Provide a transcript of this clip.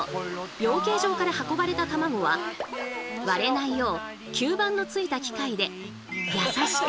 養鶏場から運ばれたたまごは割れないよう吸盤のついた機械で優しく！